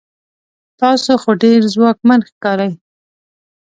تاسو خو ډیر ځواکمن ښکارئ